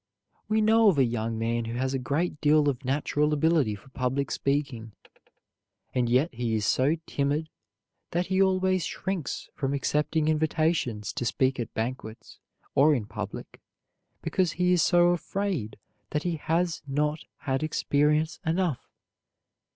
We know of a young man who has a great deal of natural ability for public speaking, and yet he is so timid that he always shrinks from accepting invitations to speak at banquets or in public because he is so afraid that he has not had experience enough.